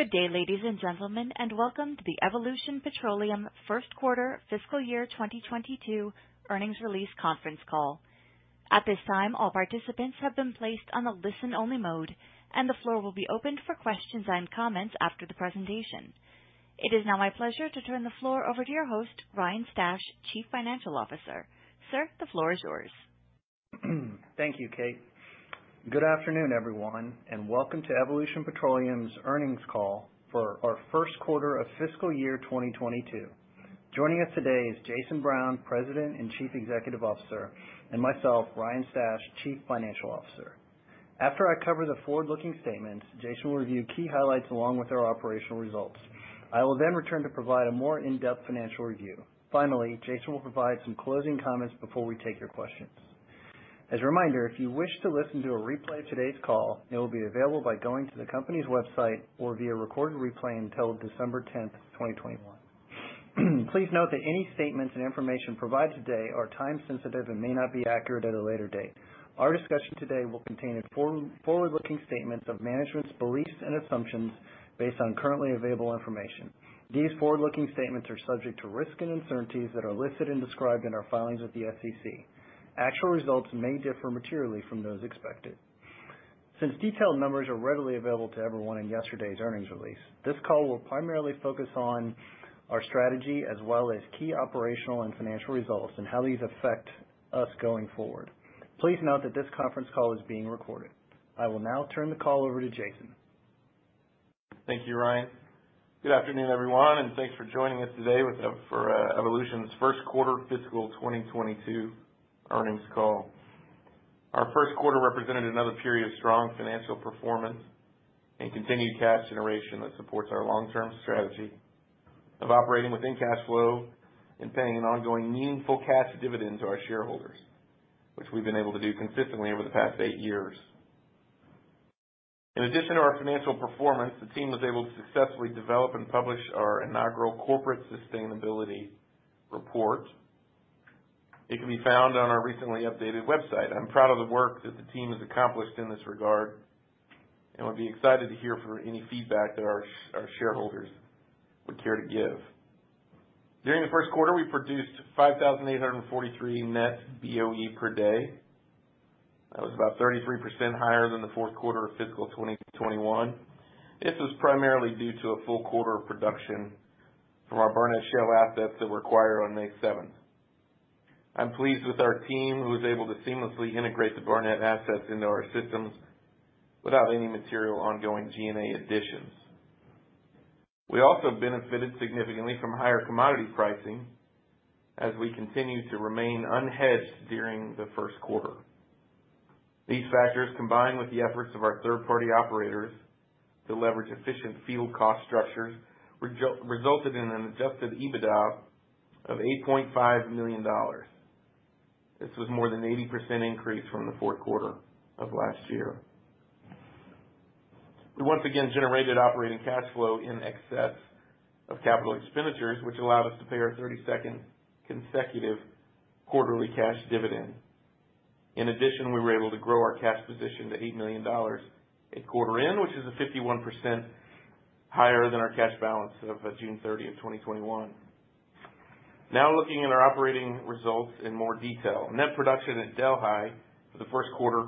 Good day, ladies and gentlemen, and welcome to the Evolution Petroleum first quarter fiscal year 2022 earnings release conference call. At this time, all participants have been placed on a listen-only mode, and the floor will be opened for questions and comments after the presentation. It is now my pleasure to turn the floor over to your host, Ryan Stash, Chief Financial Officer. Sir, the floor is yours. Thank you, Kate. Good afternoon, everyone, and welcome to Evolution Petroleum's earnings call for our first quarter of fiscal year 2022. Joining us today is Jason Brown, President and Chief Executive Officer, and myself, Ryan Stash, Chief Financial Officer. After I cover the forward-looking statements, Jason will review key highlights along with our operational results. I will then return to provide a more in-depth financial review. Finally, Jason will provide some closing comments before we take your questions. As a reminder, if you wish to listen to a replay of today's call, it will be available by going to the company's website or via recorded replay until December 10, 2021. Please note that any statements and information provided today are time sensitive and may not be accurate at a later date. Our discussion today will contain forward-looking statements of management's beliefs and assumptions based on currently available information. These forward-looking statements are subject to risks and uncertainties that are listed and described in our filings with the SEC. Actual results may differ materially from those expected. Since detailed numbers are readily available to everyone in yesterday's earnings release, this call will primarily focus on our strategy as well as key operational and financial results and how these affect us going forward. Please note that this conference call is being recorded. I will now turn the call over to Jason. Thank you, Ryan. Good afternoon, everyone, and thanks for joining us today for Evolution's first quarter fiscal 2022 earnings call. Our first quarter represented another period of strong financial performance and continued cash generation that supports our long-term strategy of operating within cash flow and paying an ongoing, meaningful cash dividend to our shareholders, which we've been able to do consistently over the past eight years. In addition to our financial performance, the team was able to successfully develop and publish our inaugural Corporate Sustainability Report. It can be found on our recently updated website. I'm proud of the work that the team has accomplished in this regard, and would be excited to hear any feedback that our shareholders would care to give. During the first quarter, we produced 5,843 net BOE per day. That was about 33% higher than the fourth quarter of fiscal 2021. This was primarily due to a full quarter of production from our Barnett Shale assets that were acquired on May 7. I'm pleased with our team, who was able to seamlessly integrate the Barnett assets into our systems without any material ongoing G&A additions. We also benefited significantly from higher commodity pricing as we continued to remain unhedged during the first quarter. These factors, combined with the efforts of our third-party operators to leverage efficient field cost structures, resulted in an adjusted EBITDA of $8.5 million. This was more than 80% increase from the fourth quarter of last year. We once again generated operating cash flow in excess of capital expenditures, which allowed us to pay our 32nd consecutive quarterly cash dividend. In addition, we were able to grow our cash position to $8 million at quarter end, which is 51% higher than our cash balance of June 30, 2021. Now looking at our operating results in more detail. Net production at Delhi for the first quarter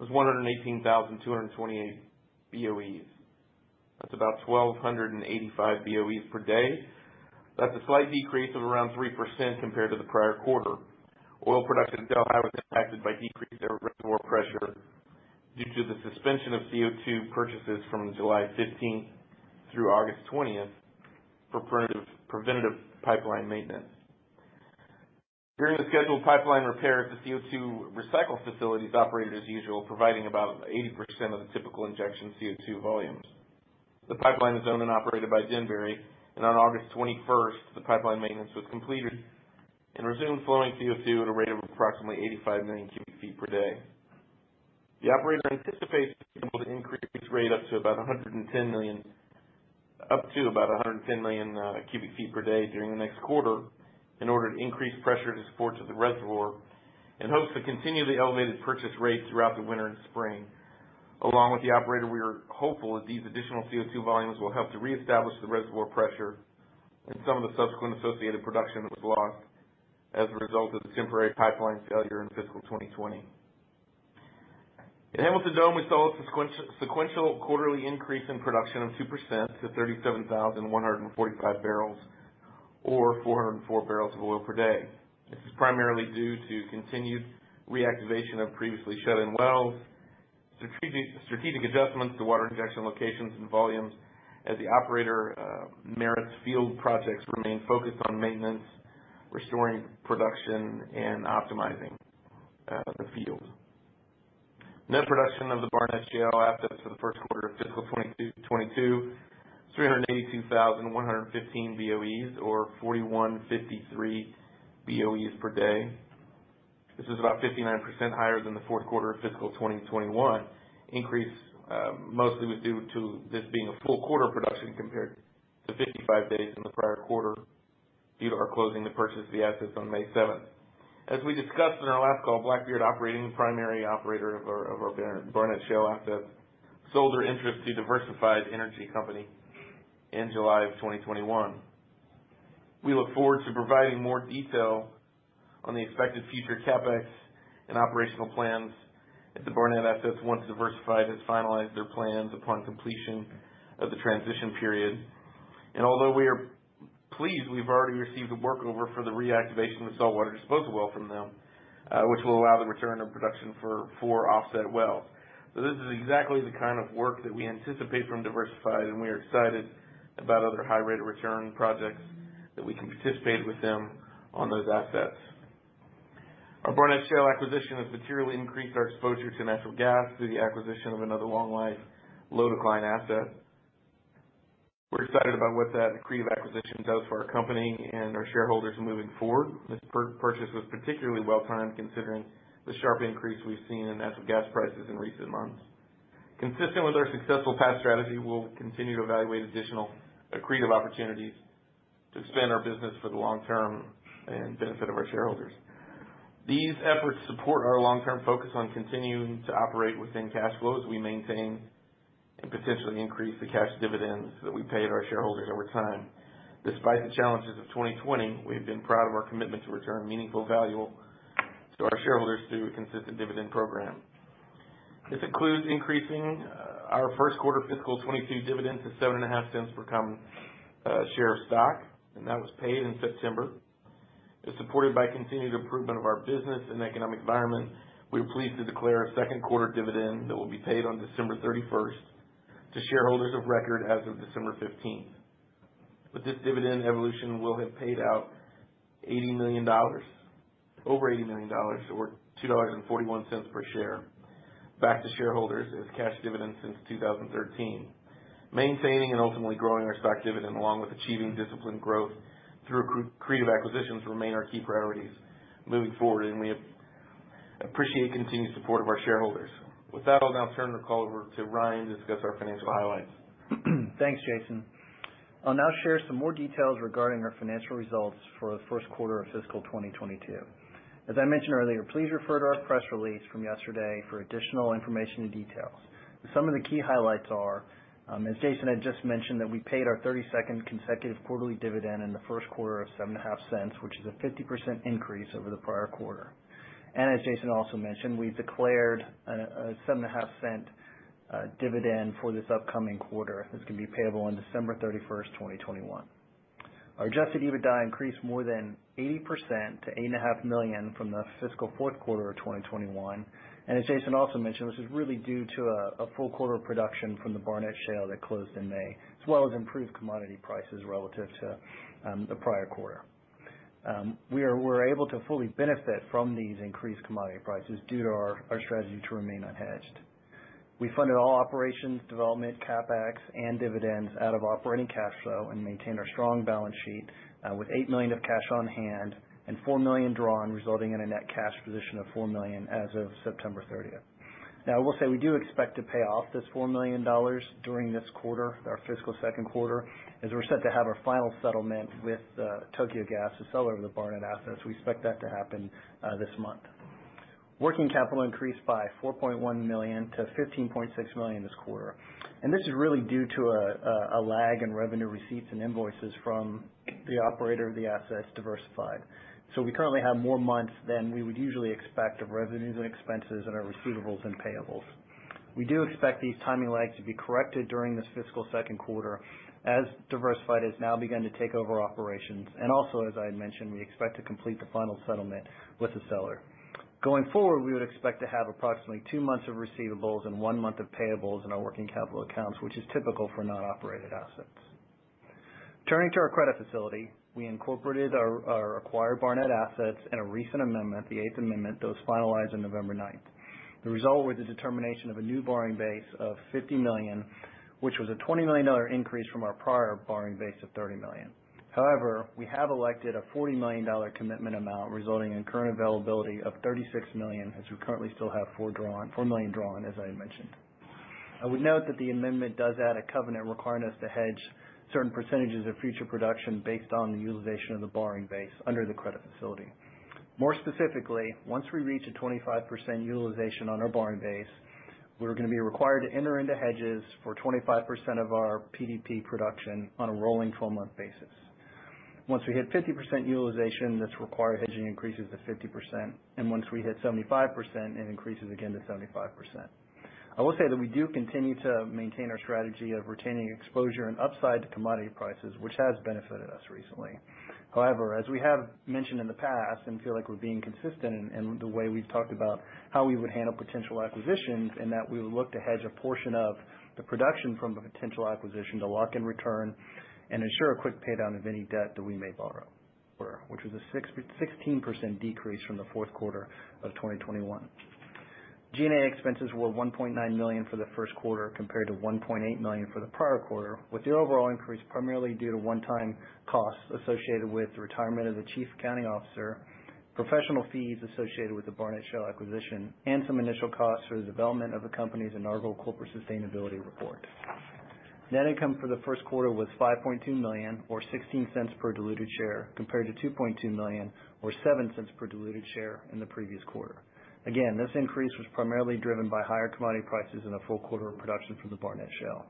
was 118,228 BOEs. That's about 1,285 BOEs per day. That's a slight decrease of around 3% compared to the prior quarter. Oil production at Delhi was impacted by decreased reservoir pressure due to the suspension of CO2 purchases from July 15 through August 20 for preventative pipeline maintenance. During the scheduled pipeline repairs, the CO2 recycle facilities operated as usual, providing about 80% of the typical injection CO2 volumes. The pipeline is owned and operated by Denbury, and on August twenty-first, the pipeline maintenance was completed and resumed flowing CO2 at a rate of approximately 85 million cubic feet per day. The operator anticipates being able to increase rate up to about 110 million cubic feet per day during the next quarter in order to increase pressure to support the reservoir and hopes to continue the elevated purchase rate throughout the winter and spring. Along with the operator, we are hopeful that these additional CO2 volumes will help to reestablish the reservoir pressure and some of the subsequent associated production that was lost as a result of the temporary pipeline failure in fiscal 2020. In Hamilton Dome, we saw a sequential quarterly increase in production of 2% to 37,145 barrels or 404 barrels of oil per day. This was primarily due to continued reactivation of previously shut-in wells, strategic adjustments to water injection locations and volumes as the operator. Merit’s field projects remain focused on maintenance, restoring production, and optimizing the field. Net production of the Barnett Shale assets for the first quarter of fiscal 2022, 382,115 BOEs or 4,153 BOEs per day. This is about 59% higher than the fourth quarter of fiscal 2021. The increase mostly was due to this being a full quarter production compared to 55 days in the prior quarter due to our closing to purchase the assets on May seventh. As we discussed in our last call, Blackbeard Operating, the primary operator of our Barnett Shale assets, sold their interest to Diversified Energy Company in July 2021. We look forward to providing more detail on the expected future capex and operational plans at the Barnett assets once Diversified has finalized their plans upon completion of the transition period. Although we are pleased, we've already received a workover for the reactivation of the saltwater disposal well from them, which will allow the return of production for four offset wells. This is exactly the kind of work that we anticipate from Diversified, and we are excited about other high rate of return projects that we can participate with them on those assets. Our Barnett Shale acquisition has materially increased our exposure to natural gas through the acquisition of another long life, low decline asset. We're excited about what that accretive acquisition does for our company and our shareholders moving forward. This purchase was particularly well-timed, considering the sharp increase we've seen in natural gas prices in recent months. Consistent with our successful path strategy, we'll continue to evaluate additional accretive opportunities to expand our business for the long term and benefit of our shareholders. These efforts support our long-term focus on continuing to operate within cash flows we maintain, and potentially increase the cash dividends that we pay to our shareholders over time. Despite the challenges of 2020, we've been proud of our commitment to return meaningful value to our shareholders through a consistent dividend program. This includes increasing our first quarter fiscal 2022 dividend to $0.075 per common share of stock, and that was paid in September. It's supported by continued improvement of our business and economic environment. We're pleased to declare a second quarter dividend that will be paid on December 31st to shareholders of record as of December 15th. With this dividend, Evolution will have paid out over $80 million, or $2.41 per share back to shareholders as cash dividends since 2013. Maintaining and ultimately growing our stock dividend along with achieving disciplined growth through accretive acquisitions remain our key priorities moving forward, and we appreciate continued support of our shareholders. With that, I'll now turn the call over to Ryan to discuss our financial highlights. Thanks, Jason. I'll now share some more details regarding our financial results for the first quarter of fiscal 2022. As I mentioned earlier, please refer to our press release from yesterday for additional information and details. Some of the key highlights are, as Jason had just mentioned, that we paid our 32nd consecutive quarterly dividend in the first quarter of $0.075, which is a 50% increase over the prior quarter. As Jason also mentioned, we've declared a $0.075 dividend for this upcoming quarter that's gonna be payable on December 31, 2021. Our adjusted EBITDA increased more than 80% to $8.5 million from the fiscal fourth quarter of 2021. As Jason also mentioned, this is really due to a full quarter production from the Barnett Shale that closed in May, as well as improved commodity prices relative to the prior quarter. We were able to fully benefit from these increased commodity prices due to our strategy to remain unhedged. We funded all operations, development, CapEx, and dividends out of operating cash flow and maintained our strong balance sheet with $8 million of cash on hand and $4 million drawn, resulting in a net cash position of $4 million as of September 30th. Now, I will say we do expect to pay off this $4 million during this quarter, our fiscal second quarter, as we're set to have our final settlement with Tokyo Gas, the seller of the Barnett assets. We expect that to happen this month. Working capital increased by $4.1 million to $15.6 million this quarter. This is really due to a lag in revenue receipts and invoices from the operator of the assets, Diversified. We currently have more months than we would usually expect of revenues and expenses in our receivables and payables. We do expect these timing lags to be corrected during this fiscal second quarter as Diversified has now begun to take over operations. As I had mentioned, we expect to complete the final settlement with the seller. Going forward, we would expect to have approximately two months of receivables and one month of payables in our working capital accounts, which is typical for non-operated assets. Turning to our credit facility, we incorporated our acquired Barnett assets in a recent amendment, the eighth amendment that was finalized on November 9th. The result was the determination of a new borrowing base of $50 million, which was a $20 million increase from our prior borrowing base of $30 million. However, we have elected a $40 million commitment amount resulting in current availability of $36 million, as we currently still have $4 million drawn, as I had mentioned. I would note that the amendment does add a covenant requiring us to hedge certain percentages of future production based on the utilization of the borrowing base under the credit facility. More specifically, once we reach a 25% utilization on our borrowing base, we're gonna be required to enter into hedges for 25% of our PDP production on a rolling twelve-month basis. Once we hit 50% utilization, this required hedging increases to 50%, and once we hit 75%, it increases again to 75%. I will say that we do continue to maintain our strategy of retaining exposure and upside to commodity prices, which has benefited us recently. However, as we have mentioned in the past and feel like we're being consistent in the way we've talked about how we would handle potential acquisitions, in that we would look to hedge a portion of the production from the potential acquisition to lock in return and ensure a quick pay down of any debt that we may borrow. Which was a 16% decrease from the fourth quarter of 2021. G&A expenses were $1.9 million for the first quarter, compared to $1.8 million for the prior quarter, with the overall increase primarily due to one-time costs associated with the retirement of the Chief Accounting Officer, professional fees associated with the Barnett Shale acquisition, and some initial costs for the development of the company's inaugural Corporate Sustainability Report. Net income for the first quarter was $5.2 million or $0.16 per diluted share, compared to $2.2 million or $0.07 per diluted share in the previous quarter. Again, this increase was primarily driven by higher commodity prices and a full quarter of production from the Barnett Shale.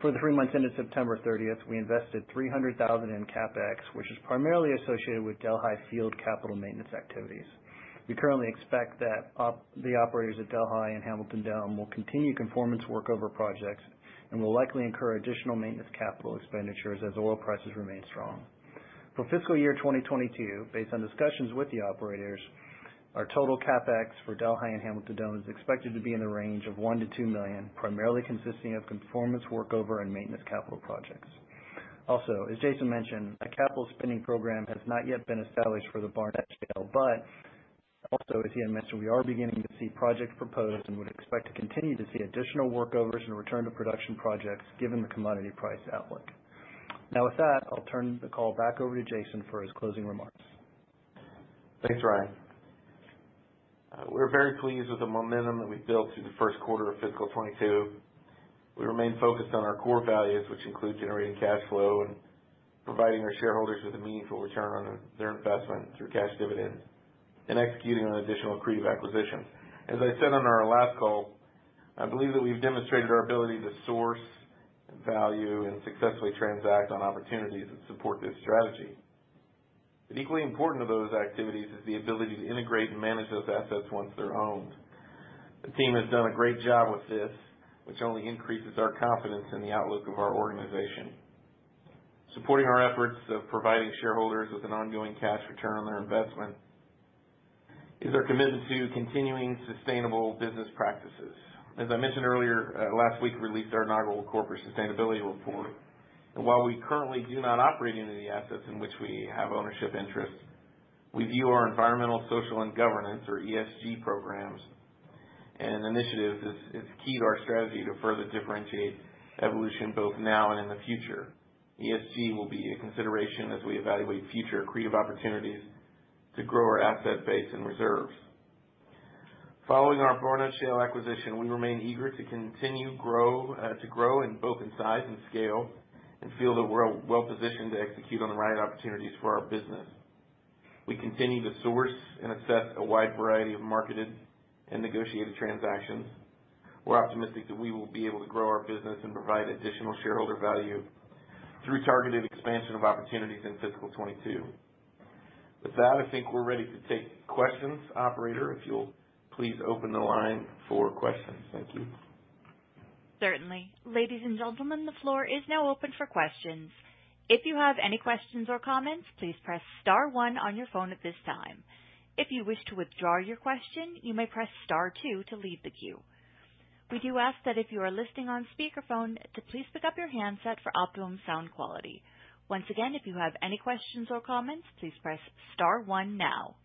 For the three months ended September 30th, we invested $300,000 in CapEx, which is primarily associated with Delhi Field capital maintenance activities. We currently expect that the operators at Delhi and Hamilton Dome will continue conformance workover projects and will likely incur additional maintenance capital expenditures as oil prices remain strong. For fiscal year 2022, based on discussions with the operators, our total CapEx for Delhi and Hamilton Dome is expected to be in the range of $1 million-$2 million, primarily consisting of conformance workover and maintenance capital projects. Also, as Jason mentioned, a capital spending program has not yet been established for the Barnett Shale, but also, as he had mentioned, we are beginning to see projects proposed and would expect to continue to see additional workovers and return to production projects given the commodity price outlook. Now, with that, I'll turn the call back over to Jason for his closing remarks. Thanks, Ryan. We're very pleased with the momentum that we've built through the first quarter of fiscal 2022. We remain focused on our core values, which include generating cash flow and providing our shareholders with a meaningful return on their investment through cash dividends and executing on additional accretive acquisitions. As I said on our last call, I believe that we've demonstrated our ability to source value and successfully transact on opportunities that support this strategy. Equally important to those activities is the ability to integrate and manage those assets once they're owned. The team has done a great job with this, which only increases our confidence in the outlook of our organization. Supporting our efforts of providing shareholders with an ongoing cash return on their investment is our commitment to continuing sustainable business practices. As I mentioned earlier, last week, we released our inaugural Corporate Sustainability Report. While we currently do not operate any of the assets in which we have ownership interest, we view our environmental, social and governance or ESG programs and initiatives as key to our strategy to further differentiate Evolution both now and in the future. ESG will be a consideration as we evaluate future accretive opportunities to grow our asset base and reserves. Following our Barnett Shale acquisition, we remain eager to grow in both size and scale and feel that we're well positioned to execute on the right opportunities for our business. We continue to source and assess a wide variety of marketed and negotiated transactions. We're optimistic that we will be able to grow our business and provide additional shareholder value through targeted expansion of opportunities in fiscal 2022. With that, I think we're ready to take questions. Operator, if you'll please open the line for questions. Thank you. Certainly. Ladies and gentlemen, the floor is now open for questions. If you have any questions or comments, please press star one on your phone at this time. If you wish to withdraw your question, you may press star two to leave the queue. We do ask that if you are listening on speakerphone, to please pick up your handset for optimum sound quality. Once again, if you have any questions or comments, please press star one now.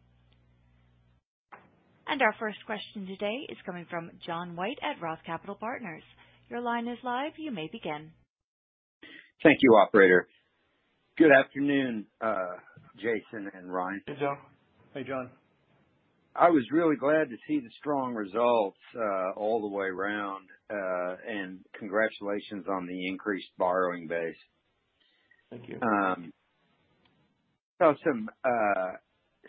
Our first question today is coming from John White at ROTH Capital Partners. Your line is live, you may begin. Thank you, operator. Good afternoon, Jason and Ryan. Hey, John. Hey, John. I was really glad to see the strong results, all the way around, and congratulations on the increased borrowing base. Thank you. Thank you.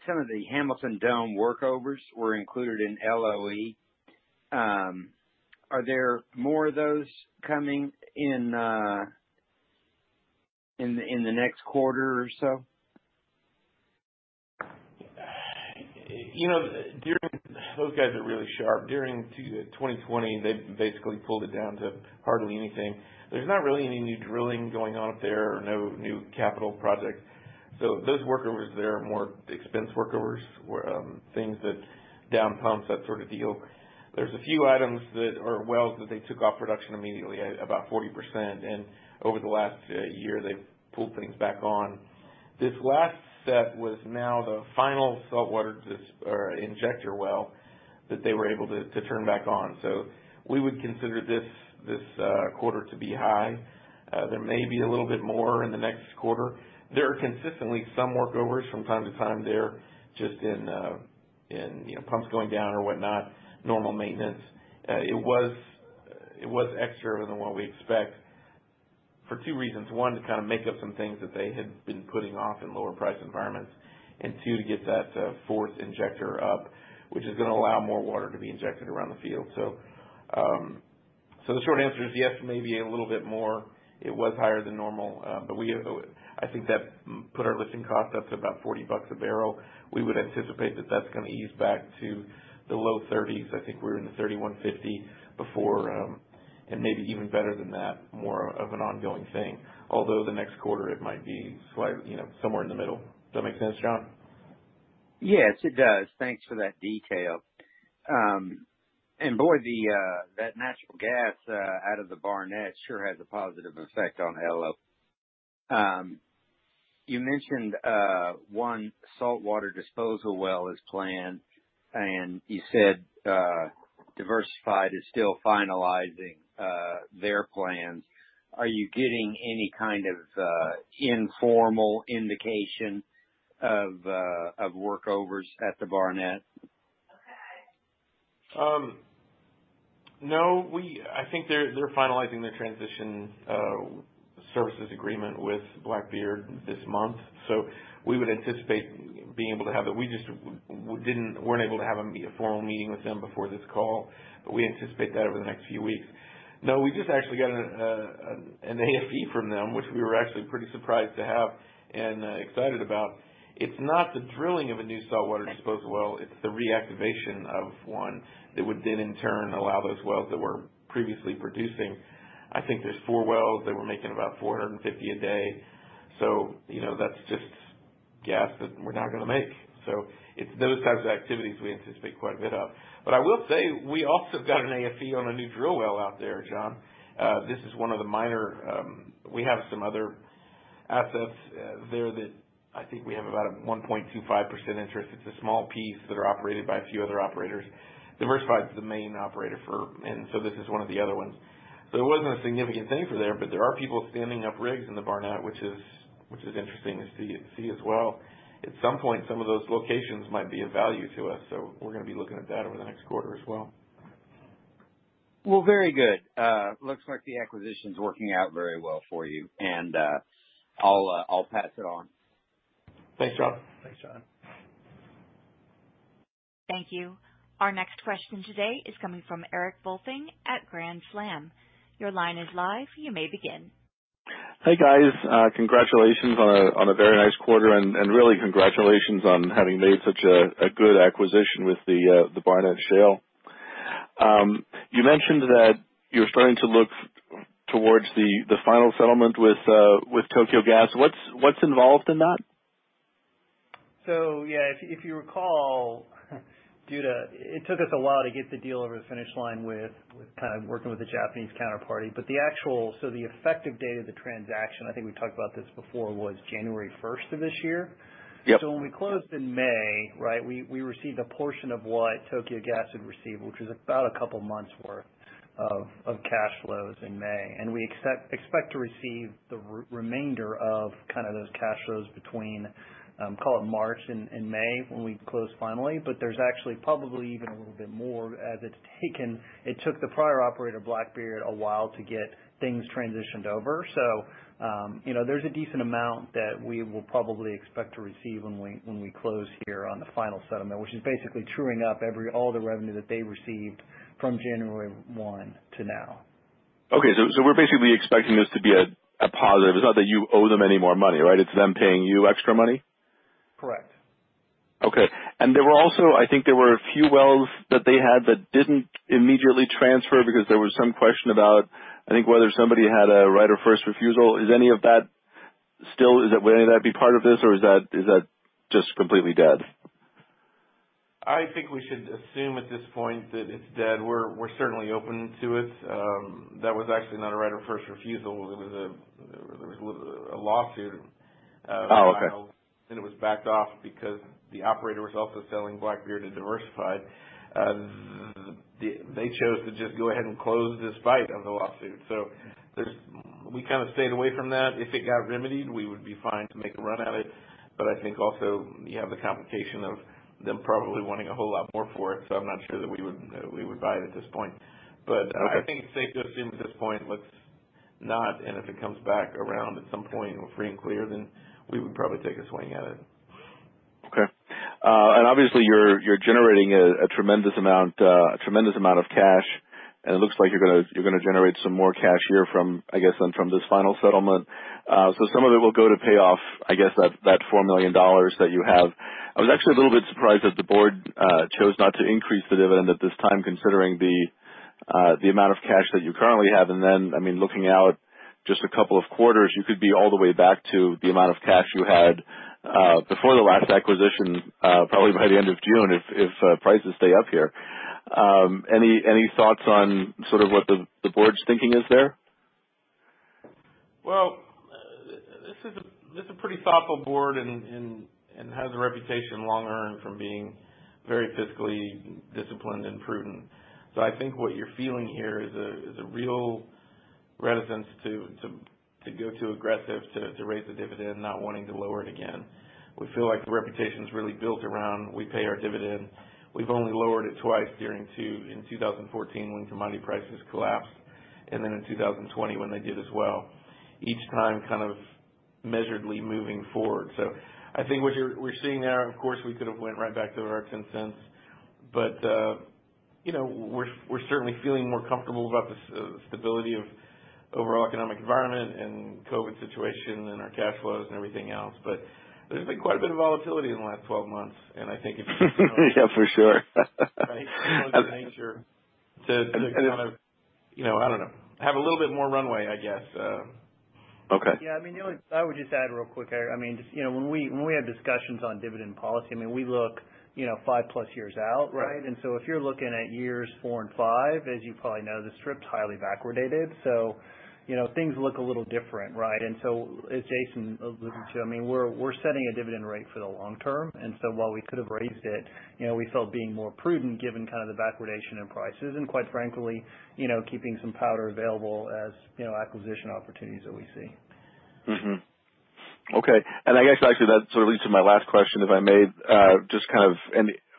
Some of the Hamilton Dome workovers were included in LOE. Are there more of those coming in the next quarter or so? You know, those guys are really sharp. During 2020, they basically pulled it down to hardly anything. There's not really any new drilling going on up there or no new capital projects. So those workovers there are more expense workovers or things that down pumps, that sort of deal. There's a few items that are wells that they took off production immediately, about 40%, and over the last year, they've pulled things back on. This last set was now the final saltwater disposal or injector well that they were able to turn back on. So we would consider this quarter to be high. There may be a little bit more in the next quarter. There are consistently some workovers from time to time there just in you know, pumps going down or whatnot, normal maintenance. It was more than what we expected for two reasons. one, to kinda make up some things that they had been putting off in lower price environments. two, to get that fourth injector up, which is gonna allow more water to be injected around the field. The short answer is yes, maybe a little bit more. It was higher than normal, but I think that puts our lifting cost up to about $40 a barrel. We would anticipate that that's gonna ease back to the low $30s. I think we were in the $31.50 before, and maybe even better than that, more of an ongoing thing. Although the next quarter it might be you know, somewhere in the middle. Does that make sense, John? Yes, it does. Thanks for that detail. Boy, that natural gas out of the Barnett sure has a positive effect on LOE. You mentioned one saltwater disposal well is planned, and you said Diversified is still finalizing their plans. Are you getting any kind of informal indication of workovers at the Barnett? No, I think they're finalizing their transition services agreement with Blackbeard this month, so we would anticipate being able to have that. We just weren't able to have a formal meeting with them before this call, but we anticipate that over the next few weeks. No, we just actually got an AFE from them, which we were actually pretty surprised to have and excited about. It's not the drilling of a new saltwater disposal well, it's the reactivation of one that would then in turn allow those wells that were previously producing. I think there's four wells that were making about 450 a day. You know, that's just gas that we're now gonna make. It's those types of activities we anticipate quite a bit of. I will say we also got an AFE on a new drill well out there, John. This is one of the minor. We have some other assets there that I think we have about a 1.25% interest. It's a small piece that are operated by a few other operators. Diversified is the main operator for and so this is one of the other ones. It wasn't a significant thing for there, but there are people standing up rigs in the Barnett, which is interesting to see as well. At some point, some of those locations might be of value to us, so we're gonna be looking at that over the next quarter as well. Well, very good. Looks like the acquisition's working out very well for you and I'll pass it on. Thanks, John. Thanks, John. Thank you. Our next question today is coming from Erik Volfing at Grand Slam. Your line is live, you may begin. Hey, guys, congratulations on a very nice quarter and really congratulations on having made such a good acquisition with the Barnett Shale. You mentioned that you're starting to look towards the final settlement with Tokyo Gas. What's involved in that? Yeah, if you recall, it took us a while to get the deal over the finish line with kind of working with the Japanese counterparty, but the effective date of the transaction, I think we talked about this before, was January first of this year. Yep. When we closed in May, right, we received a portion of what Tokyo Gas had received, which was about a couple months worth of cash flows in May. We expect to receive the remainder of kinda those cash flows between, call it March and May when we close finally. There's actually probably even a little bit more as it took the prior operator, Blackbeard, a while to get things transitioned over. You know, there's a decent amount that we will probably expect to receive when we close here on the final settlement, which is basically truing up all the revenue that they received from January 1 to now. Okay. We're basically expecting this to be a positive. It's not that you owe them any more money, right? It's them paying you extra money. Correct. Okay. There were also, I think there were a few wells that they had that didn't immediately transfer because there was some question about, I think, whether somebody had a right of first refusal. Is any of that still be part of this or is that just completely dead? I think we should assume at this point that it's dead. We're certainly open to it. That was actually not a right of first refusal. It was a lawsuit. Oh, okay. It was backed off because the operator was also selling Blackbeard to Diversified. They chose to just go ahead and close despite the lawsuit. We kinda stayed away from that. If it got remedied, we would be fine to make a run at it. I think also you have the complication of them probably wanting a whole lot more for it, so I'm not sure that we would buy it at this point. I think it's safe to assume at this point let's not, and if it comes back around at some point and we're free and clear, then we would probably take a swing at it. Okay. Obviously, you're generating a tremendous amount of cash, and it looks like you're gonna generate some more cash here from, I guess, from this final settlement. Some of it will go to pay off, I guess, that $4 million that you have. I was actually a little bit surprised that the board chose not to increase the dividend at this time, considering the amount of cash that you currently have. I mean, looking out just a couple of quarters, you could be all the way back to the amount of cash you had before the last acquisition, probably by the end of June if prices stay up here. Any thoughts on sort of what the board's thinking is there? Well, this is a pretty thoughtful board and has a reputation long earned from being very fiscally disciplined and prudent. I think what you're feeling here is a real reticence to go too aggressive to raise the dividend, not wanting to lower it again. We feel like the reputation's really built around we pay our dividend. We've only lowered it twice, during in 2014 when commodity prices collapsed, and then in 2020 when they did as well, each time kind of measuredly moving forward. I think what we're seeing there, of course, we could have went right back to our $0.10, but you know, we're certainly feeling more comfortable about the stability of overall economic environment and COVID situation and our cash flows and everything else. There's been quite a bit of volatility in the last 12 months, and I think if. Yeah, for sure. Right? It's only natural to kind of, you know, I don't know, have a little bit more runway, I guess. Okay. Yeah, I mean, I would just add real quick, Erik. I mean, just, you know, when we had discussions on dividend policy, I mean, we look, you know, 5+ years out, right? Right. If you're looking at years four and five, as you probably know, the strip's highly backwardated, so, you know, things look a little different, right? As Jason alluded to, I mean, we're setting a dividend rate for the long term, and so while we could have raised it, you know, we felt being more prudent given kind of the backwardation in prices and, quite frankly, you know, keeping some powder available as, you know, acquisition opportunities that we see. Mm-hmm. Okay. I guess actually that sort of leads to my last question, if I may. Just kind of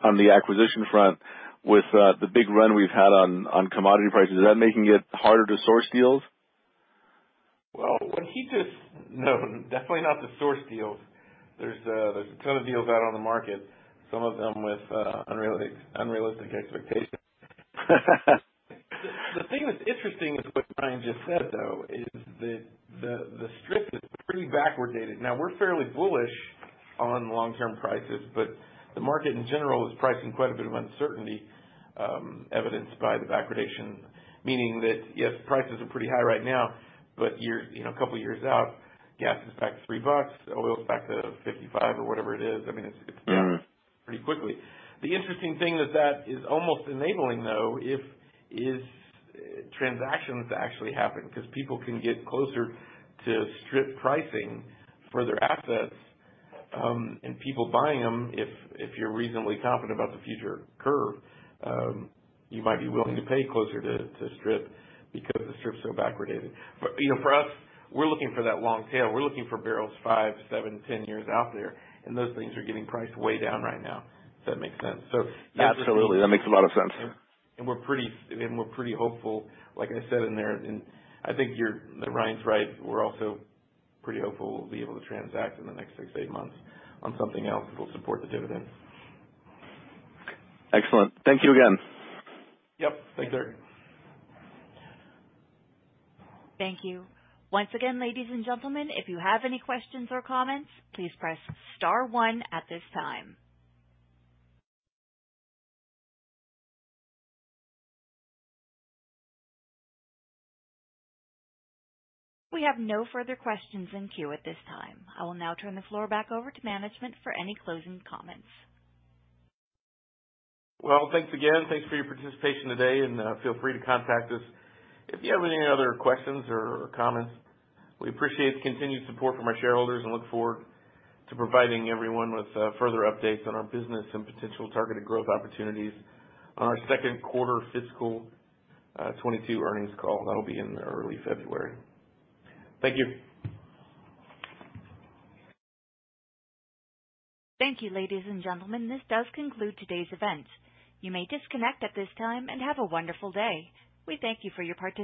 on the acquisition front with the big run we've had on commodity prices, is that making it harder to source deals? No, definitely not to source deals. There's a ton of deals out on the market, some of them with unrealistic expectations. The thing that's interesting is what Ryan just said, though, is that the strip is pretty backwardated. Now, we're fairly bullish on long-term prices, but the market in general is pricing quite a bit of uncertainty, evidenced by the backwardation, meaning that, yes, prices are pretty high right now, but, you know, a couple of years out, gas is back to $3, oil's back to $55 or whatever it is. I mean, it's down pretty quickly. The interesting thing is that it is almost enabling transactions to actually happen because people can get closer to strip pricing for their assets, and people buying them if you're reasonably confident about the future curve, you might be willing to pay closer to strip because the strip's so backwardated. You know, for us, we're looking for that long tail. We're looking for barrels five, seven, ten years out there, and those things are getting priced way down right now, if that makes sense. Absolutely. That makes a lot of sense. We're pretty hopeful. Like I said in there, and I think that Ryan's right. We're also pretty hopeful we'll be able to transact in the next six-eight months on something else that'll support the dividend. Excellent. Thank you again. Yep. Thanks, Erik. Thank you. Once again, ladies and gentlemen, if you have any questions or comments, please press star one at this time. We have no further questions in queue at this time. I will now turn the floor back over to management for any closing comments. Well, thanks again. Thanks for your participation today, and feel free to contact us if you have any other questions or comments. We appreciate the continued support from our shareholders and look forward to providing everyone with further updates on our business and potential targeted growth opportunities on our second quarter fiscal 2022 earnings call. That'll be in early February. Thank you. Thank you, ladies and gentlemen. This does conclude today's event. You may disconnect at this time and have a wonderful day. We thank you for your participation.